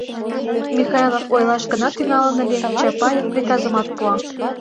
Михайлов ойлаш гына тӱҥалын ыле, Чапаев приказымат пуа: